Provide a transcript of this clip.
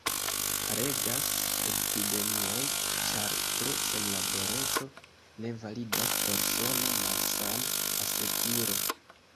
Regas epidemioj ĉar, pro senlaboreco, ne validas persona malsan-asekuro.